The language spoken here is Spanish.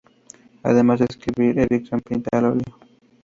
Además de escribir Erikson pinta al óleo.